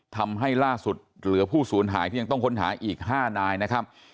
ทำให้ล่าสุดเหลือผู้สูญหายที่ยังต้องค้นหาอีก๕นายนะครับ